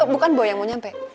bukan boy yang mau nyampe